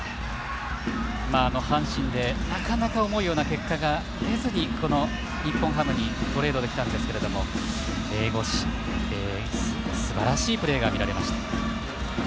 阪神でなかなか思うような結果が出ずに、この日本ハムにトレードで来たんですけれども江越、すばらしいプレーが見られました。